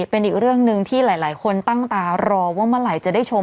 เป็นอีกเรื่องหนึ่งที่หลายคนตั้งตารอว่าเมื่อไหร่จะได้ชม